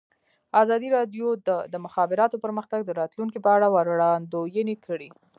ازادي راډیو د د مخابراتو پرمختګ د راتلونکې په اړه وړاندوینې کړې.